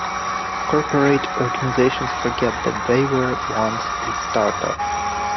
Corporate organizations forget that they were once a startup.